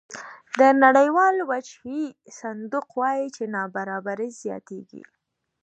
د نړیوال وجهي صندوق وایي چې نابرابري زیاتېږي